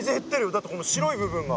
だってこの白い部分が。